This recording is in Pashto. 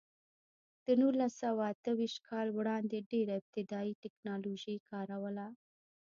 د نولس سوه اته ویشت کال وړاندې ډېره ابتدايي ټکنالوژي کار وله.